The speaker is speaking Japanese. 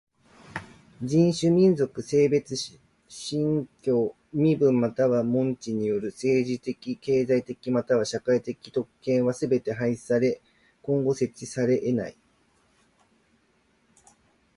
人種、民族、性別、信教、身分または門地による政治的経済的または社会的特権はすべて廃止され今後設置されえない。